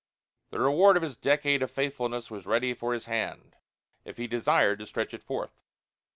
The reward of his decade of faithfulness was ready for his hand if he desired to stretch it forth.